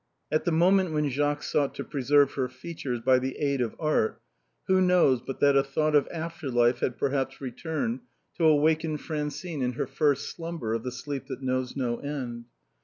At the moment when Jacques sought to preserve her feat ures by the aid of art who knows but that a thought of after life had perhaps returned to awaken Francine in her first slumber of the sleep that knows no end.